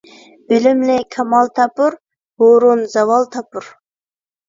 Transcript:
بىلىملىك كامال تاپۇر، ھۇرۇن زاۋال تاپۇر.